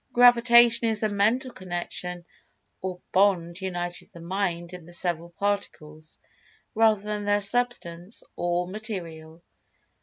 [Pg 189] Gravitation is a Mental Connection or Bond uniting the Mind in the several Particles, rather than their Substance or Material.